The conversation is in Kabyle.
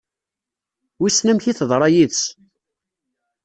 Wissen amek i teḍra yid-s?